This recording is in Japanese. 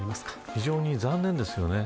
非常に残念ですよね。